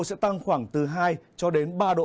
sẽ tăng khoảng từ hai cho đến ba độ